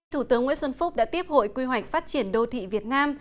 thủ tướng nguyễn xuân phúc đã tiếp hội quy hoạch phát triển đô thị việt nam